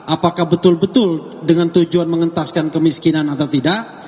apakah betul betul dengan tujuan mengentaskan kemiskinan atau tidak